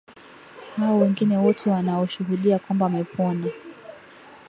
hao wengine wote wanaoshuhudia kwamba wamepona